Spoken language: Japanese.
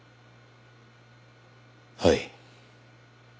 はい。